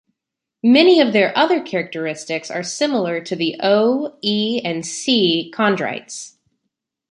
Many of their other characteristics are similar to the O, E and C chondrites.